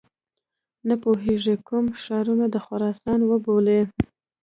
نه پوهیږي کوم ښارونه د خراسان وبولي.